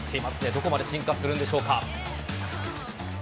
どこまで進化するんでしょうか。